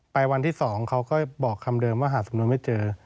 วันที่๒เขาก็บอกคำเดิมว่าหาสำนวนไม่เจอ